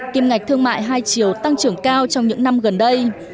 kim ngạch thương mại hai chiều tăng trưởng cao trong những năm gần đây